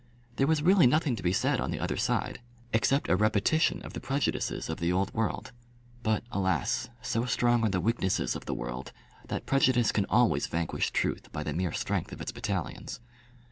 There was really nothing to be said on the other side, except a repetition of the prejudices of the Old World. But, alas! so strong are the weaknesses of the world, that prejudice can always vanquish truth by the mere strength of its battalions.